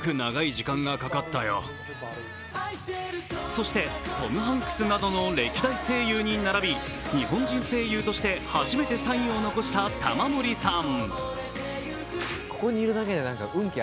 そしてトム・ハンクスなどの歴代声優に並び日本人声優として初めてサインを残した玉森さん。